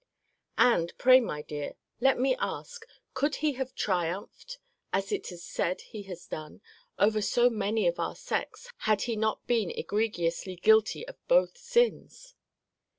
And, pray, my dear, let me ask, could he have triumphed, as it is said he has done, over so many of our sex, had he not been egregiously guilty of both sins?